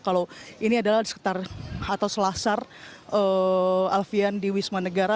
kalau ini adalah di sekitar atau selasar alfian di wisma negara